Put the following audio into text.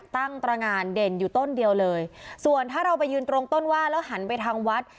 ตั้งตรงานเด่นอยู่ต้นเดียวเลยส่วนถ้าเราไปยืนตรงต้นว่าแล้วหันไปทางวัด